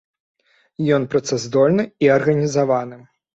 Ён працаздольны і арганізаваны.